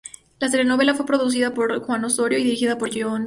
La telenovela fue producida por Juan Osorio y dirigida por Jorge Fons.